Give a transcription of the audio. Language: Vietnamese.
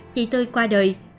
chị tươi qua đời